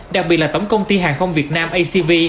đặc biệt là tổng công ty hàng không việt nam acv